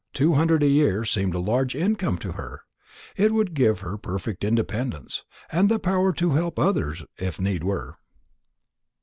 Two hundred a year seemed a large income to her. It would give her perfect independence, and the power to help others, if need were.